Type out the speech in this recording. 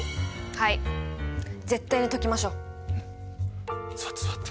はい絶対に解きましょう！座って座って。